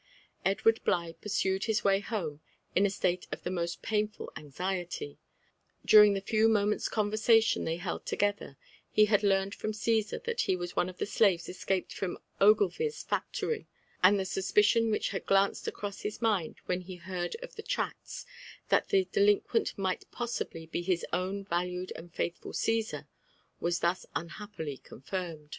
Edward Bligh pursued his way home in a state of the most painful anxiety. During the few moment's conversation they held together, he had learned from Caesar that he was one of the slaves escaped from Oglevie's factory ; and the suspicion which had glanced across his mind when he heard of the tracts, that the delinquent might possibly be his own valued and faithful Caesar, was thus unhappily confirmed.